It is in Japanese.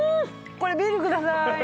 これビールください！